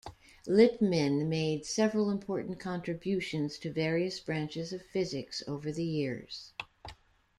Lippmann made several important contributions to various branches of physics over the years.